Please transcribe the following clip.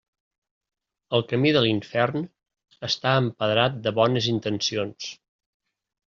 El camí de l'infern està empedrat de bones intencions.